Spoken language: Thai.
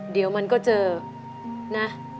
เดี๋ยวมันก็เจอนะ